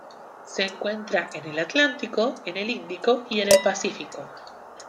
Se encuentra en el Atlántico, en el Índico y en el Pacífico.